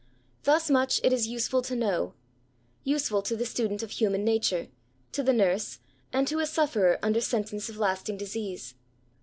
Thus much it is useful to know,— useful to the student of human nature, to the nurse, and to a sufferer under sentence of lasting disease.